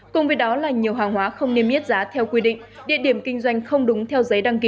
cùng với đó là nhiều hàng hóa không niêm yết giá theo quy định địa điểm kinh doanh không đúng theo giấy đăng ký